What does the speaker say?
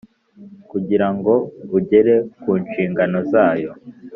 kugira ngo ugere ku nshingano zayo